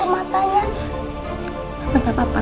bahwa aku tradisional untuk alam satu